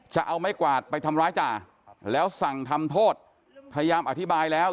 จะเอาไม้กวาดไปทำร้ายจ่าแล้วสั่งทำโทษพยายามอธิบายแล้ว